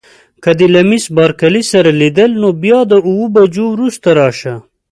که دې له میس بارکلي سره لیدل نو بیا د اوو بجو وروسته راشه.